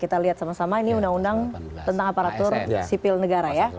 kita lihat sama sama ini undang undang tentang aparatur sipil negara ya